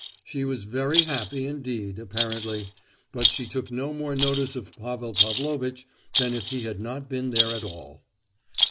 She was very happy indeed, apparently; but she took no more notice of Pavel Pavlovitch than if he had not been there at all.